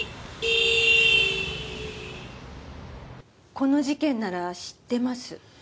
この事件なら知ってます。